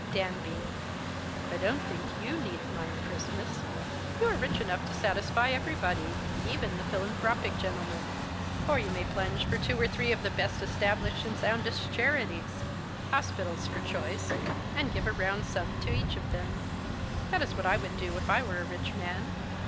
Danby. I don't think you need mind Christmas. You are rich enough to satisfy everybody, even the philan throj^ic gentlemen ; or you may plunge for two or three of the best established and soundest charities — hospitals, for choice — and give a round sum to each of them. That is wliat I would do if I were a rich man.